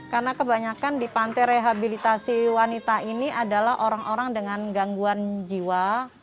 karena kebanyakan di pantai rehabilitasi wanita ini adalah orang orang dengan gangguan jiwa